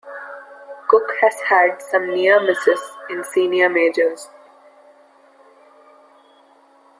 Cook has had some near-misses in senior majors.